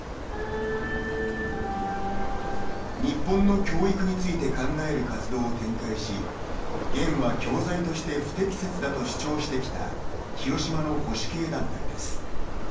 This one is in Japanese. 日本の教育について考える活動を展開し、ゲンは教材として不適切だと主張してきた広島の保守系団体です。